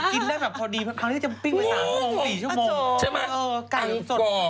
กินได้แบบพอดีครั้งนี้ก็ยังปิ้งไป๓๔ชั่วโมงอังกฎ